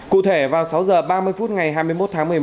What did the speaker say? cụ thể vào sáu h ba mươi phút ngày hai mươi một tháng một mươi một